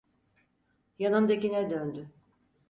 Yanındakine döndü.